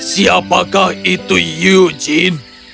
siapakah itu eugene